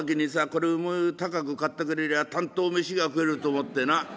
これを高く買ってくれりゃたんと飯が食えると思ってな」。